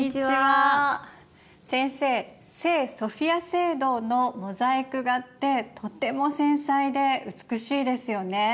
先生聖ソフィア聖堂のモザイク画ってとても繊細で美しいですよね。